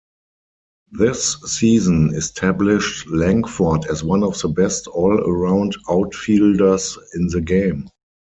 This season established Lankford as one of the best all-around outfielders in the game.